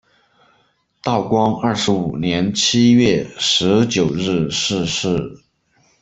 道光二十五年七月十九日逝世。